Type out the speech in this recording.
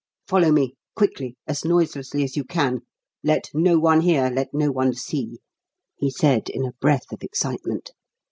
"Follow me quickly, as noiselessly as you can. Let no one hear, let no one see!" he said in a breath of excitement.